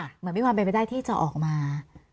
เหมือนมีความเป็นไปได้ที่จะออกมา